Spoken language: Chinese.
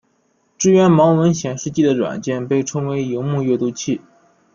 支援盲文显示机的软件被称为萤幕阅读器。